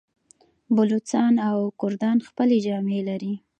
بلوڅان او کردان خپلې جامې لري.